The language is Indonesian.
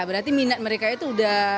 berarti minat mereka itu udah